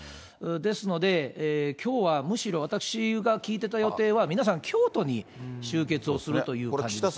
ですので、きょうはむしろ、私が聞いてた予定は、皆さん、京都に集結をするという感じでしたね。